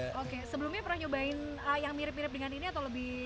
oke sebelumnya pernah nyobain yang mirip mirip dengan ini atau lebih